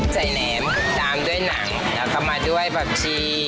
แหนมตามด้วยหนังแล้วก็มาด้วยผักชี